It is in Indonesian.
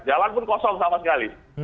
jalan pun kosong sama sekali